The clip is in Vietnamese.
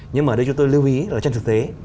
nhưng mà đây chúng tôi lưu ý là trong thực tế